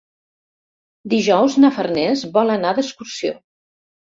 Dijous na Farners vol anar d'excursió.